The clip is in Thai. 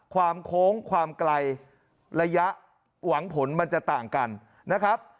โค้งความไกลระยะหวังผลมันจะต่างกันนะครับ